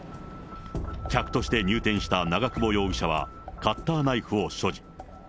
客として入店した長久保容疑者はカッターナイフを所持。